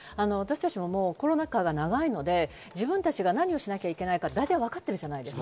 私たちはコロナ禍が長いので、自分たちが何をしないといけないのか分かっている。